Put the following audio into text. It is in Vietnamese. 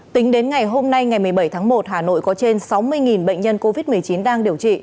tính đến ngày hôm nay ngày một mươi bảy tháng một hà nội có trên sáu mươi bệnh nhân covid một mươi chín